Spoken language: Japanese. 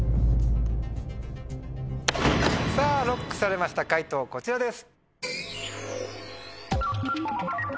さぁＬＯＣＫされました解答こちらです。